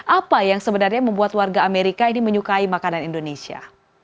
apa yang sebenarnya membuat warga amerika ini menyukai makanan indonesia